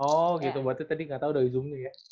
oh gitu berarti tadi gatau dari zoomnya ya